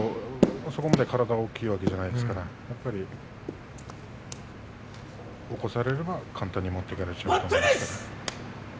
そこまで体が大きいわけではないですからやっぱり起こされれば簡単に持っていかれてしまいますね。